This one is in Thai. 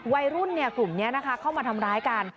วัยรุ่นกลุ่มนี้นะคะเข้ามาทำร้ายกัน